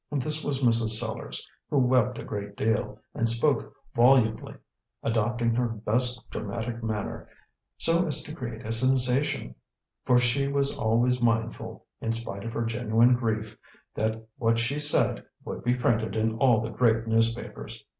This was Mrs. Sellars, who wept a great deal, and spoke volubly, adopting her best dramatic manner, so as to create a sensation; for she was always mindful, in spite of her genuine grief, that what she said would be printed in all the great newspapers.